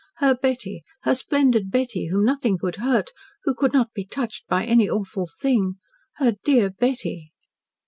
Her Betty her splendid Betty, whom nothing could hurt who could not be touched by any awful thing her dear Betty!